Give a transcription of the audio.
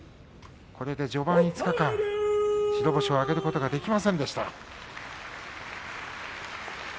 これで序盤５日間、白星を挙げることができませんでした。